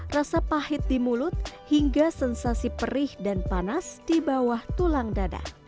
rasa pahit di mulut hingga sensasi perih dan panas di bawah tulang dada